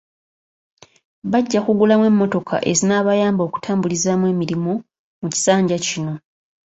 Bajja kugulamu emmotoka ezinaabayamba okutambulizaamu emirimu mu kisanja kino.